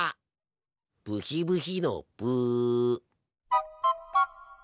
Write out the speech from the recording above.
ブヒブヒのブ。